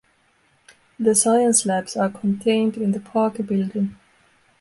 The science labs are contained in the Parker building.